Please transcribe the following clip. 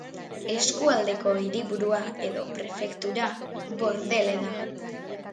Eskualdeko hiriburu edo prefektura Bordele da.